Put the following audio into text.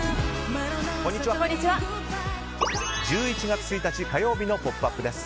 １１月１日火曜日の「ポップＵＰ！」です。